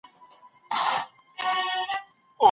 هر څوک ګلان ګوري.